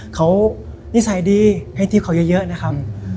เขานิสัยดีให้ทริปเขาเยอะนะครับ